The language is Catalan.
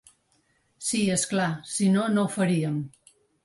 Sí, és clar, si no no ho faríem.